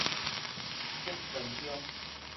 竹塘鄉